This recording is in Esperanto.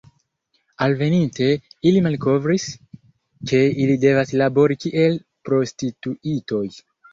Alveninte, ili malkovris, ke ili devas labori kiel prostituitoj.